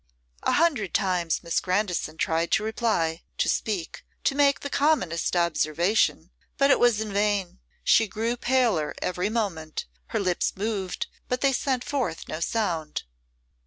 A hundred times Miss Grandison tried to reply, to speak, to make the commonest observation, but it was in vain. She grew paler every moment; her lips moved, but they sent forth no sound.